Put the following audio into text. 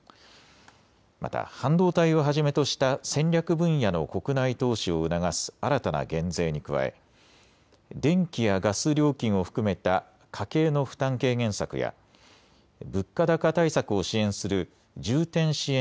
また半導体をはじめとした戦略分野の国内投資を促す新たな減税に加え電気やガス料金を含めた家計の負担軽減策や物価高対策を支援する重点支援